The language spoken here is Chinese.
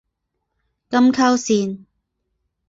金沟线